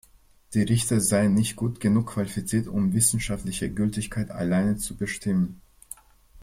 Die Richter seien nicht gut genug qualifiziert, um wissenschaftliche Gültigkeit alleine zu bestimmen.